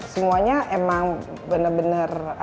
semuanya emang benar benar